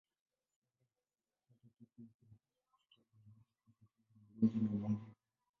Sehemu zote tatu za sikio zinaweza kuathiriwa na magonjwa na maumivu.